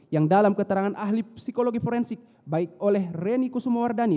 yang dalam keterangan ahli psikologi forensik baik oleh reni kusumowardani